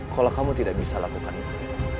kalau kamu tidak bisa lakukan itu